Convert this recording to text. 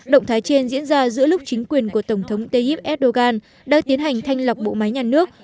động thái trên diễn ra giữa lúc chính quyền của tổng thống tayyip erdogan đã tiến hành thanh lọc bộ máy nhà nước